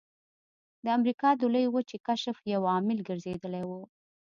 د امریکا د لویې وچې کشف یو عامل ګرځېدلی و.